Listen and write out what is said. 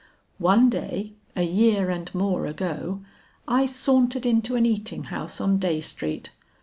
One day, a year and more ago, I sauntered into an eating house on Dey Street.